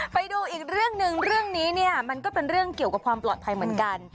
ไปดูอีกเรื่องหนึ่งเรื่องนี้เนี่ยมันก็เป็นเรื่องเกี่ยวกับความปลอดภัยเหมือนกัน